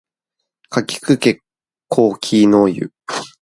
かきくけこきのゆ